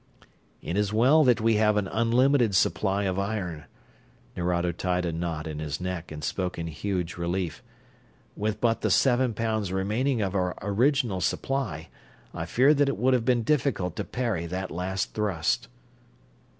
"It is well that we had an unlimited supply of iron." Nerado tied a knot in his neck and spoke in huge relief. "With but the seven pounds remaining of our original supply, I fear that it would have been difficult to parry that last thrust."